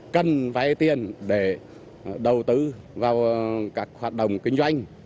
cần vay tiền để đầu tư vào các hoạt động kinh doanh